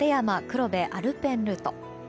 黒部アルペンルート。